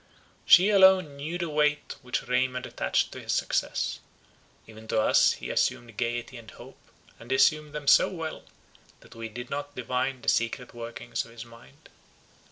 She alone knew the weight which Raymond attached to his success. Even to us he assumed gaiety and hope, and assumed them so well, that we did not divine the secret workings of his mind.